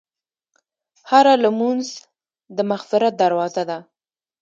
هره لمونځ د مغفرت دروازه ده.